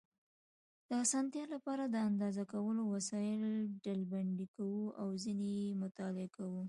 د اسانتیا لپاره د اندازه کولو وسایل ډلبندي کوو او ځینې یې مطالعه کوو.